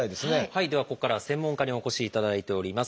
ではここからは専門家にお越しいただいております。